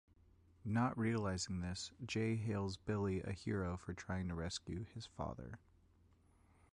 Not realising this, Jay hails Billy a hero for trying to rescue his father.